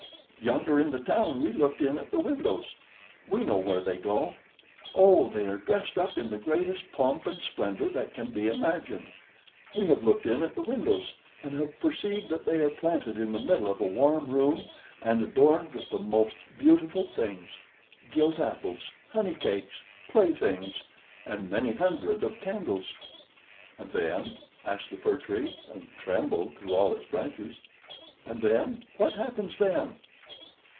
"Yonder in the town we looked in at the windows. We know where they go. Oh! they are dressed up in the greatest pomp and splendor that can be imagined. We have looked in at the windows, and have perceived that they are planted in the middle of a warm room, and adorned with the most beautiful things gilt apples, honey cakes, playthings, and many hundred of candles." "And then?" asked the Fir Tree, and trembled through all its branches. "And then? What happens then?"